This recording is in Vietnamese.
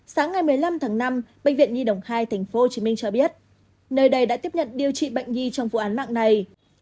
sáng ngày một mươi năm tháng năm bệnh viện nhi đồng hai tp hcm cho biết nơi đây đã tiếp nhận điều trị bệnh nhi trong vụ án mạng này